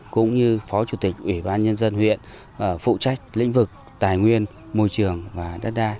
cũng như phó chủ tịch ủy ban nhân dân huyện phụ trách lĩnh vực tài nguyên môi trường và đất đai